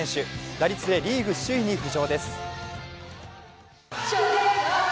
打率でリーグ首位に浮上です。